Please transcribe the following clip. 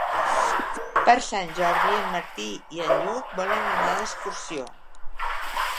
Per Sant Jordi en Martí i en Lluc volen anar d'excursió.